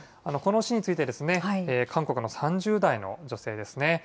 この詩について、韓国の３０代の女性ですね。